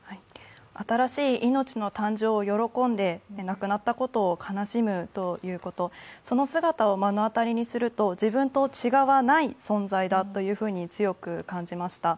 新しい命の誕生を喜んで、亡くなったことを悲しむということ、その姿を目の当たりにすると、自分と違わない存在だと強く感じました。